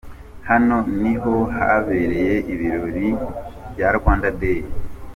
Hano ni ho habereye ibirori bya Rwanda Day.